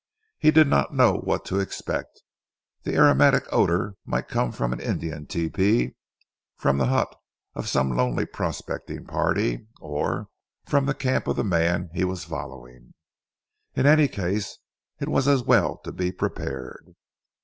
He did not know what to expect. That aromatic odour might come from an Indian tepee, from the hut of some lonely prospecting party, or from the camp of the man he was following; in any case it was as well to be prepared.